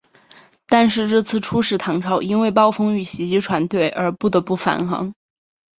但是这次出使唐朝因为暴风雨袭击船队而不得不返航。